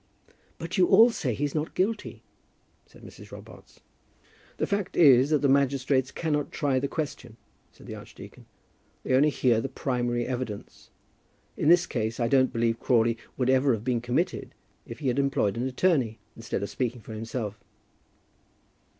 "But you all say he's not guilty," said Mrs. Robarts. "The fact is, that the magistrates cannot try the question," said the archdeacon; "they only hear the primary evidence. In this case I don't believe Crawley would ever have been committed if he had employed an attorney, instead of speaking for himself."